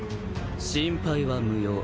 心配は無用。